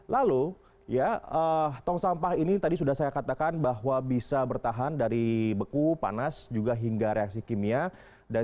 lalu ya tong sampah ini tadi sudah saya katakan bahwa bisa bertahan dari beku panas juga hingga reaksi kimia